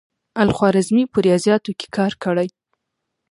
الخوارزمي په ریاضیاتو کې کار کړی.